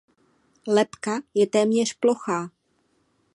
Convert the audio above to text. Lebka je téměř plochá.